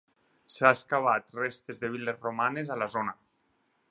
S'han excavat restes de vil·les romanes a la zona.